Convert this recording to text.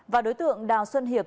và đối tượng đào xuân hiệp